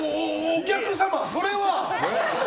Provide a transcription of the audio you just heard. お客様、それは！